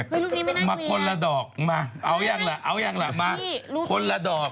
รูปนี้ไม่น่ามีนะมาคนละดอกมาเอายังเหรอมาคนละดอก